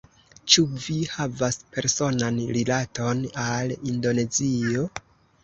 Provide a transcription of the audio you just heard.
Ĉu vi havas personan rilaton al Indonezio?